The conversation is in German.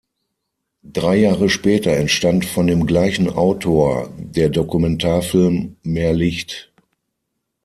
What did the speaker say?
Drei Jahre später entstand von dem gleichen Autor der Dokumentarfilm "Mehr Licht.